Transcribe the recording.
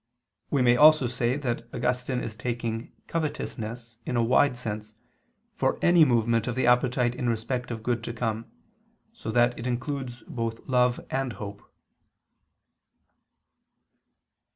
We may also say that Augustine is taking covetousness in a wide sense, for any movement of the appetite in respect of good to come: so that it includes both love and hope.